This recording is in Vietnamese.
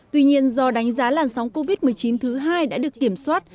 tuy nhiên do đánh giá làn sóng covid một mươi chín thứ hai đã được kiểm soát